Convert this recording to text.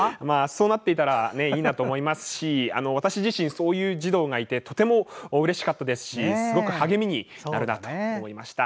そうなっていたらいいなと思いますし私自身そういう児童がいてとてもうれしかったですしすごく励みになるなと思いました。